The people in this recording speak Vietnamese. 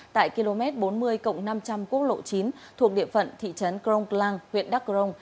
tại km bốn mươi cộng năm trăm linh quốc lộ chín thuộc địa phận thị trấn crong klang huyện đắk rông